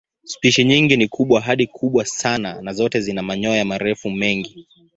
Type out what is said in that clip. Spishi nyingi ni kubwa hadi kubwa sana na zote zina manyoya marefu mengi.